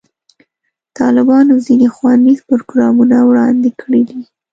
طالبانو ځینې ښوونیز پروګرامونه وړاندې کړي دي.